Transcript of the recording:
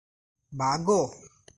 भागो!